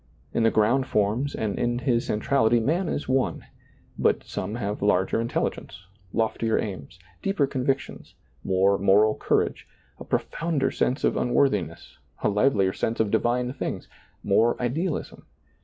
In the ground forms and in his centrality man is one ; but some have larger intelligence, loftier aims, deeper convictions, more moral courage, a pro ^lailizccbvGoOgle RAHAB 43 founder sense of unworthiness, a livelier sense of divine things, more idealism.